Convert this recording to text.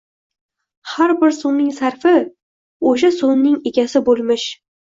Har bir so‘mning sarfi... o‘sha so‘mning egasi bo‘lmish